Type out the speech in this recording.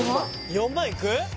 ４万いく？